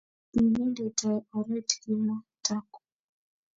kikinde tai oret kimataku